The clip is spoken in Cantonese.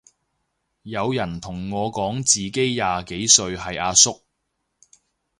有人同我講自己廿幾歲係阿叔